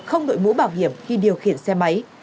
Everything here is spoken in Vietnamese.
không đội mũ bảo hiểm khi điều khiển xe máy